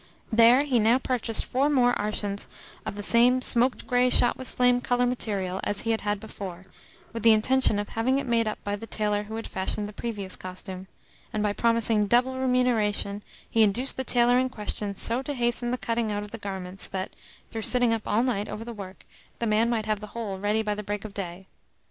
There he now purchased four more arshins of the same smoked grey shot with flame colour material as he had had before, with the intention of having it made up by the tailor who had fashioned the previous costume; and by promising double remuneration he induced the tailor in question so to hasten the cutting out of the garments that, through sitting up all night over the work, the man might have the whole ready by break of day.